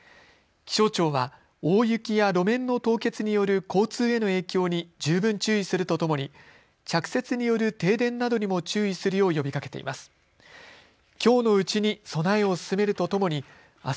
気象庁は大雪や路面の凍結による交通への影響に十分注意するとともに着雪による停電などにも注意するよう呼びかけています。